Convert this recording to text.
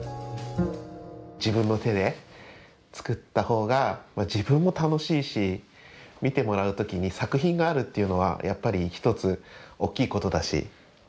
自分の手で作ったほうが自分も楽しいし見てもらう時に作品があるっていうのはやっぱり一つ大きいことだし。